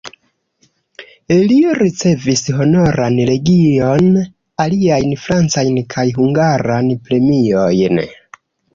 Li ricevis Honoran legion, aliajn francajn kaj hungaran premiojn.